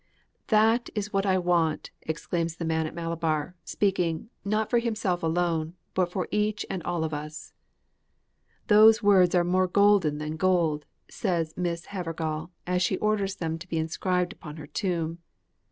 'That is what I want!' exclaims the man at Malabar, speaking, not for himself alone, but for each and all of us. 'Those words are more golden than gold!' says Miss Havergal, as she orders them to be inscribed upon her tomb.